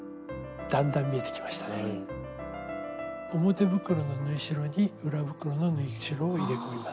表袋の縫い代に裏袋の縫い代を入れ込みます。